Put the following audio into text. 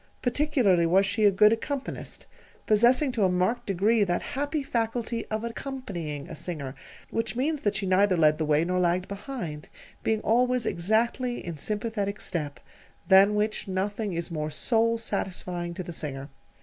Particularly was she a good accompanist, possessing to a marked degree that happy faculty of accompanying a singer: which means that she neither led the way nor lagged behind, being always exactly in sympathetic step than which nothing is more soul satisfying to the singer.